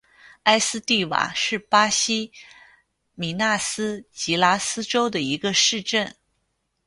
埃斯蒂瓦是巴西米纳斯吉拉斯州的一个市镇。